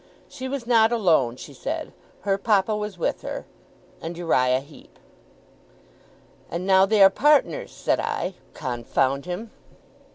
She was not alone, she said. Her papa was with her and Uriah Heep. 'And now they are partners,' said I. 'Confound him!